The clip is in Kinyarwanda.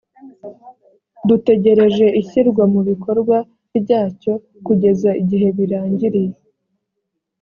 dutegereje ishyirwa mu bikorwa ryacyo kugeza igihe birangiriye